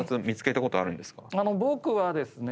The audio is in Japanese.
僕はですね